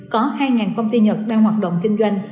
có hai công ty nhật đang hoạt động kinh doanh